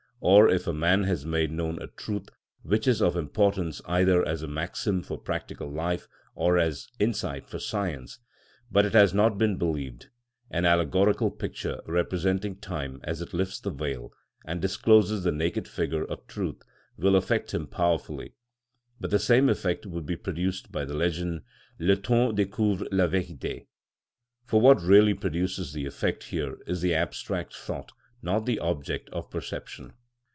Or if a man has made known a truth, which is of importance either as a maxim for practical life, or as insight for science, but it has not been believed; an allegorical picture representing time as it lifts the veil, and discloses the naked figure of Truth, will affect him powerfully; but the same effect would be produced by the legend: "Le temps découvre la vérité." For what really produces the effect here is the abstract thought, not the object of perception.